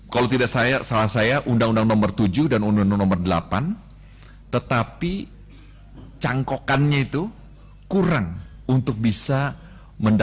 kalau tidak salah saya undang undang nomor tujuh dan undang undang nomor delapan